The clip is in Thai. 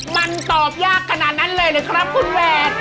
มันตอบยากขนาดนั้นเลยหรือครับคุณแหวด